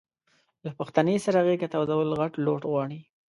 له پښتنې سره غېږه تودول غټ لوټ غواړي.